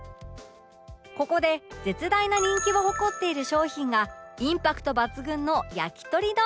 ここで絶大な人気を誇っている商品がインパクト抜群のやきとり丼